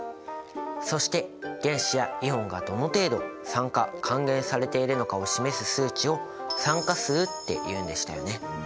そして原子やイオンがどの程度酸化還元されているのかを示す数値を「酸化数」って言うんでしたよね。